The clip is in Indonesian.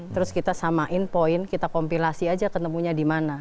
terus kita samain poin kita kompilasi aja ketemunya dimana